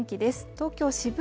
東京・渋谷